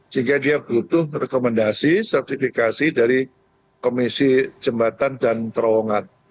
sehingga dia butuh rekomendasi sertifikasi dari komisi jembatan dan terowongan